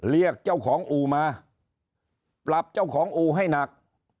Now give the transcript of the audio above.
เรียกเจ้าของอู่มาปรับเจ้าของอู่ให้หนัก